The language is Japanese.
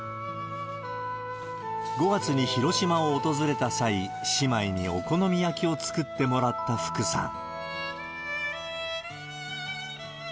５月に広島を訪れた際、姉妹にお好み焼きを作ってもらった福さん。